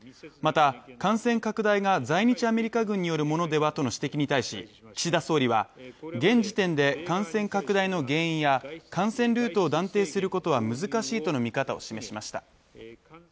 また、感染拡大が在日アメリカ軍によるものではとの指摘に対し岸田総理は、現時点で感染拡大の原因や感染ルートを断定することは難しいとの見方を示しました。